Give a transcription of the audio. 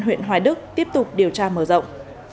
huyện hoài đức tiếp tục điều tra mở rộng